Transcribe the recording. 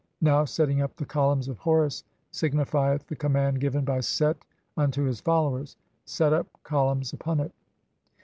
Now "setting up the columns of (2) Horus" signifieth the command given by Set unto his followers : "Set up columns upon it."